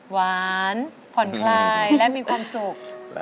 หวานผ่อนคลายและมีความสุข